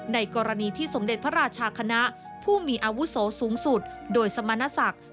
ในกรณีที่สมเด็จพระราชาคณะผู้มีอาวุโสสูงสุดโดยสมณศักดิ์